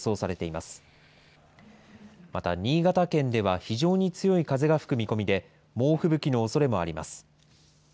また、新潟県では非常に強い風が吹く見込みで、猛吹雪のおそれもあります。